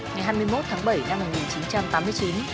ngày sáu tháng năm năm một nghìn chín trăm tám mươi bảy